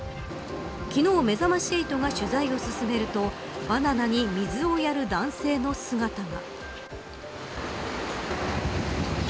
昨日めざまし８が取材を進めるとバナナに水をやる男性の姿が。